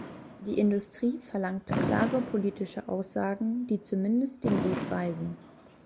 Die Industrie verlangt klare politische Aussagen, die zumindest den Weg weisen.